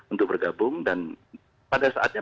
untuk bergabung dan pada saatnya